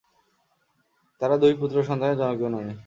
তাঁরা দুই পুত্র সন্তানের জনক-জননী।